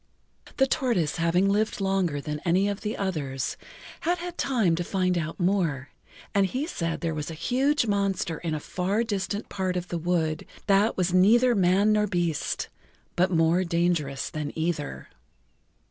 The tortoise having lived longer than any of the others, had had time to find out more, and he said there was a huge monster in a far distant part of the wood that was neither man nor beast, but more dangerous than either.